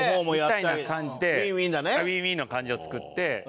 みたいな感じでウィンウィンの感じを作って。